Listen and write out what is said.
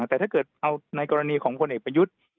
แต่ถ้าเกิดเอาในกรณีของพลเอกประยุทธ์